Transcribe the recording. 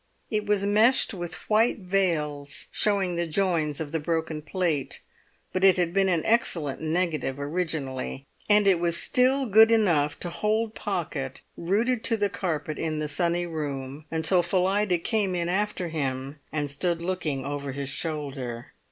It was meshed with white veils, showing the joins of the broken plate. But it had been an excellent negative originally. And it was still good enough to hold Pocket rooted to the carpet in the sunny room, until Phillida came in after him, and stood looking over his shoulder.